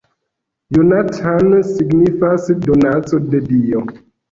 Jonathan signifas 'donaco de dio'.